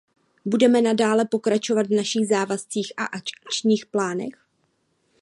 Budeme nadále pokračovat v našich závazcích a akčních plánech.